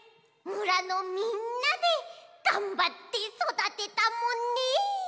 むらのみんなでがんばってそだてたもんね。